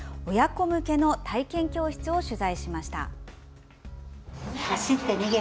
親子向けの体験教室を取材しました。